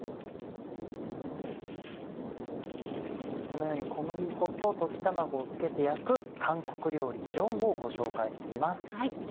このように小麦粉と溶き卵を付けて焼く韓国料理ジョンをご紹介しています。